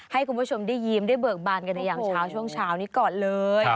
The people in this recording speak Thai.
ให้คุณผู้ชมได้ยิ้มได้เบิกบานกันในยามเช้าช่วงเช้านี้ก่อนเลย